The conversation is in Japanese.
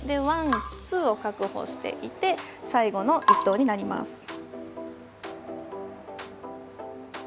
ワン、ツーを確保していて最後の一投になります。